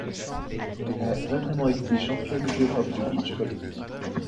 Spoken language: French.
Elle a notamment été Championne d'Europe de beach-volley.